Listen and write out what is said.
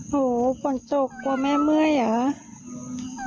โหปล่นจกกว่าแม่เมื่อยเหรอ